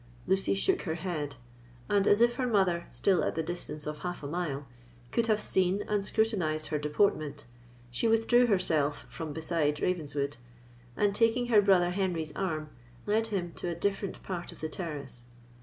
Lucy shook her head; and, as if her mother, still at the distance of half a mile, could have seen and scrutinised her deportment, she withdrew herself from beside Ravenswood, and, taking her brother Henry's arm, led him to a different part of the terrace.